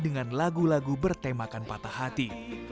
dengan lagu lagu bertemakan patah hati